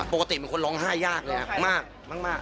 ปกติเป็นคนร้องไห้ยากเลยนะมาก